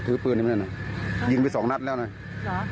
ถือปืนนี่ไหมเนี่ยน่ะยิงไปสองนัดแล้วน่ะหรออ่ะ